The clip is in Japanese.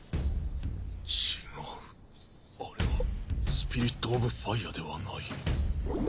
違うあれはスピリットオブファイアではない。